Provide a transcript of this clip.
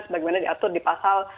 sebagaimana diatur di pasal